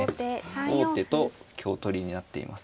王手と香取りになっています。